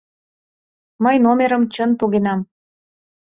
Мый номерым чын погенам.